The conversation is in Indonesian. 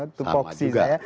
itu voksi saya